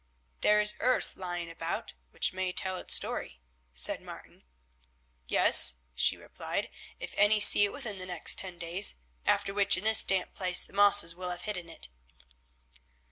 "There is earth lying about, which may tell its story," said Martin. "Yes," she replied, "if any see it within the next ten days, after which in this damp place the mosses will have hidden it."